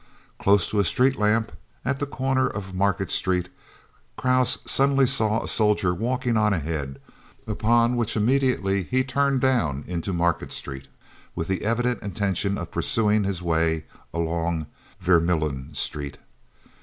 Close to a street lamp, at the corner of Market Street, Krause suddenly saw a soldier walking on ahead, upon which he immediately turned down into Market Street, with the evident intention of pursuing his way along Vermeulen Street.